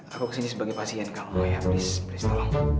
aku kesini sebagai pasien kamu ya please tolong